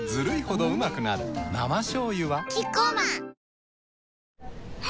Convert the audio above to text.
生しょうゆはキッコーマンあ！